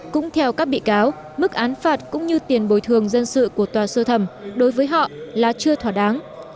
cũng theo các bị cáo mức án phạt cũng như tiền bồi thường dân sự của tòa sơ thẩm đối với họ là chưa thỏa đáng